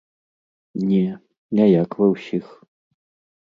Не, не як ва ўсіх.